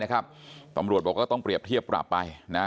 ร่างกายนะครับตำรวจบอกก็ต้องเปรียบเทียบกลับไปนะ